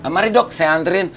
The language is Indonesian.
mari dok saya anterin